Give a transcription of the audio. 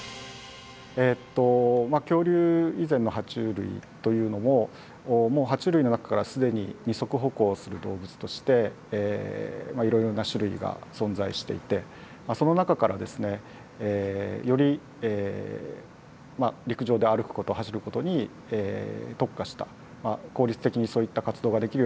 えっと恐竜以前のハチュウ類というのももうハチュウ類の中から既に二足歩行する動物としていろいろな種類が存在していてその中からですねより陸上で歩くこと走ることに特化した効率的にそういった活動ができるようになった